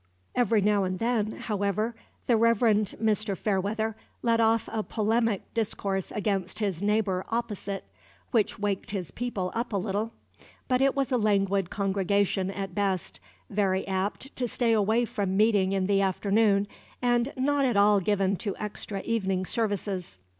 Every now and then, however, the Reverend Mr. Fairweather let off a polemic discourse against his neighbor opposite, which waked his people up a little; but it was a languid congregation, at best, very apt to stay away from meeting in the afternoon, and not at all given to extra evening services.